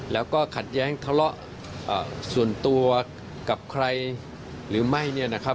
แล้วก็ขัดแย้งทะเลาะส่วนตัวกับใครหรือไม่